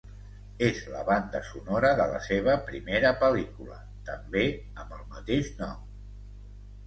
És la banda sonora de la seva primera pel·lícula, també amb el mateix nom.